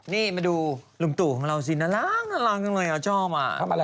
นี่มาดูลุงตูของเราสิน่ารักหน่ารักจังเลยอ่ะชอบอ่ะ